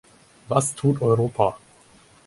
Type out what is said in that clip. Was tut Europa?